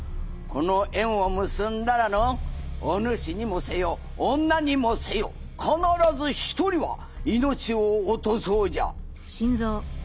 この縁を結んだらのおぬしにもせよ女にもせよ必ず一人は命を落とそうじゃ。